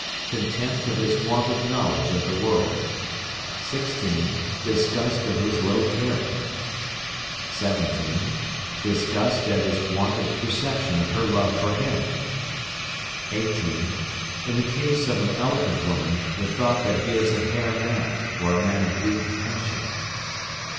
Contempt of his want of knowledge of the world. 16. Distrust of his low character. 17. Disgust at his want of perception of her love for him. 18. In the case of an elephant woman, the thought that he is a hare man, or a man of weak passion.